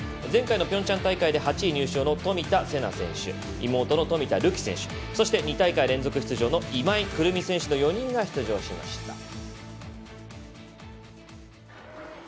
前回のピョンチャン大会で８位入賞の冨田せな選手妹の冨田るき選手そして２大会連続出場の今井胡桃選手の４人が出場しました。